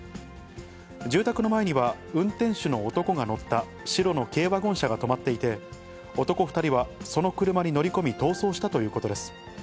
住宅の前には運転手の男が乗った白の軽ワゴン車が止まっていて、男２人はその車に乗り込み、逃走したということです。